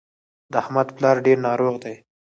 د احمد پلار ډېر ناروغ دی